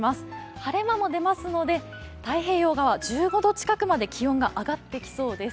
晴れ間も出ますので、太平洋側１５度近くまで気温が上がってきそうです。